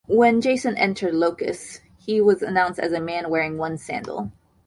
When Jason entered Iolcus, he was announced as a man wearing one sandal.